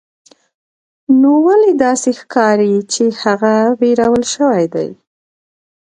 نو ولې داسې ښکاري چې هغه ویرول شوی دی